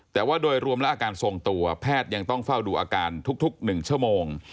แต่ว่าโดยรวมและอาการทรงตัวแพทย์ยังต้องเฝ้าดูอาการทุก๑ชั่วโมง